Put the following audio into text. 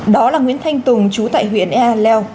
đó là nguyễn thanh tùng trú tại huyện e lèo